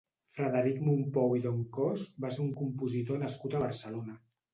Frederic Mompou i Dencausse va ser un compositor nascut a Barcelona.